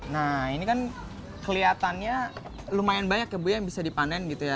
nah ini kan kelihatannya lumayan banyak ya bu yang bisa dipanen gitu ya